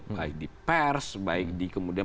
baik di pers baik di kemudian